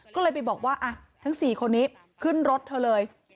ก็เลยไปบอกว่าทั้ง๔คนนี้ขึ้นรถเธอเลย